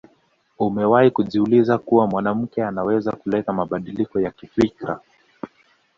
Umewahi kujiuliza kuwa mwanamke anaweza kuleta mabadiliko ya kifikra